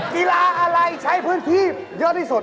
กีฬาอะไรใช้พื้นที่เยอะที่สุด